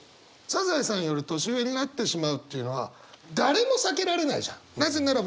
サザエさんより年上になってしまうっていうのは誰も避けられないじゃん。